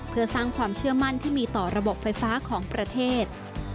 เพื่อสร้างความเชื่อมั่นที่มีต่อระบบไฟฟ้าของประเทศ